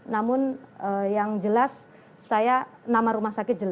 namun yang jelas saya nama rumah sakit jelas